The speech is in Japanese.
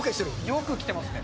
よく来てますね。